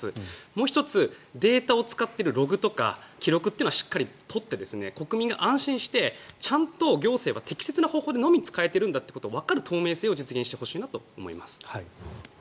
もう１つ、データを使っているログとか記録とかはしっかり取って、国民が安心してちゃんと行政は適切な方法でのみ使えているんだということがわかる透明性を実現してほしいなと思います。